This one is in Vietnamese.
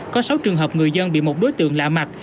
có sáu trường hợp người dân bị một đối tượng lạ mặt